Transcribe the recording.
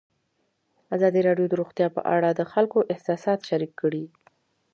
ازادي راډیو د روغتیا په اړه د خلکو احساسات شریک کړي.